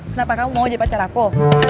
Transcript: kenapa kamu mau uji pacar aku